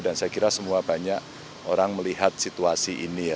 dan saya kira semua banyak orang melihat situasi ini